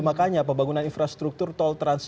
makanya pembangunan infrastruktur tol transjakar